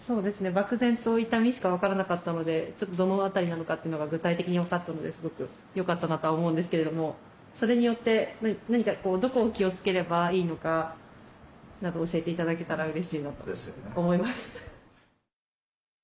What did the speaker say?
漠然と痛みしか分からなかったのでちょっとどの辺りなのかってのが具体的に分かったのですごくよかったなとは思うんですけれどもそれによって何かどこを気をつければいいのかなど教えて頂けたらうれしいなと思います。